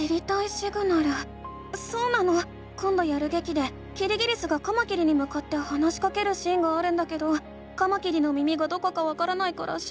そうなのこんどやるげきでキリギリスがカマキリにむかって話しかけるシーンがあるんだけどカマキリの耳がどこかわからないから知りたいの。